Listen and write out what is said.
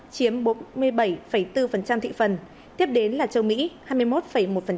chiếm bốn mươi bảy bốn thị phần tiếp đến là châu mỹ hai mươi một một